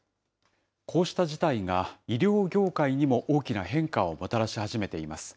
こうした事態が医療業界にも大きな変化をもたらし始めています。